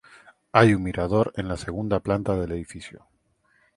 Hay un mirador en la segunda planta del edificio.